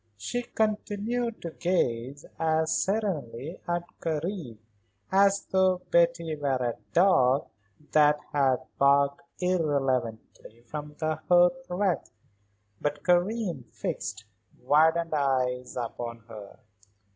She continued to gaze as serenely at Karen as though Betty were a dog that had barked irrelevantly from the hearth rug. But Karen fixed widened eyes upon her.